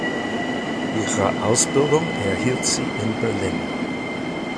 Ihre Ausbildung erhielt sie in Berlin.